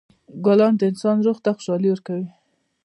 ګلان د انسان روح ته خوشحالي ورکوي.